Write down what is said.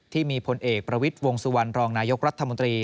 ที่มีพลเอกประวิทย์วงสุวรรณรองนายกรัฐมนตรี